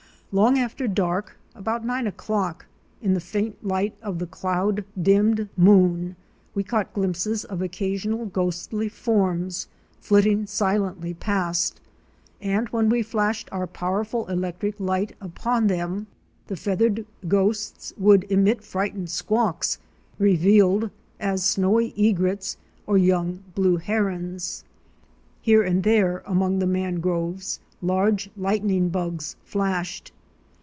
Long after dark, about nine o'clock, in the faint light of the cloud dimmed moon, we caught glimpses of occasional ghostly forms flitting silently past, and when we flashed our powerful electric light upon them, the feathered ghosts would emit frightened squawks; revealed as Snowy Egrets or young Blue Herons. Here and there among the mangroves, large lightning bugs flashed.